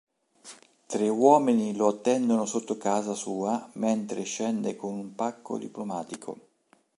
Tre uomini lo attendono sotto casa sua mentre scende con un pacco diplomatico.